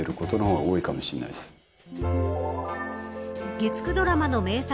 月９ドラマの名作